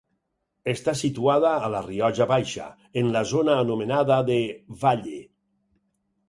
Està situada a la Rioja Baixa, en la zona anomenada de Valle.